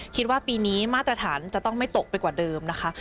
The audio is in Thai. คิดว่าปีนี้มาตรฐานจะต้องไม่ตกไปกว่าเดิมนะคะ